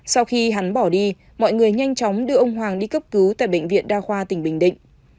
sau khi hắn bỏ đi mọi người nhanh chóng đưa ông hoàng đi cấp cứu tại bệnh viện đa khoa tỉnh bình định